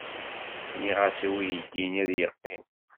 Nniɣ-as i weydi-nni ad yeqqim.